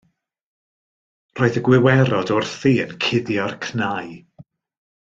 Roedd y gwiwerod wrthi yn cuddio'r cnau.